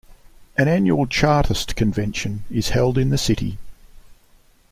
An annual 'Chartist Convention' is held in the city.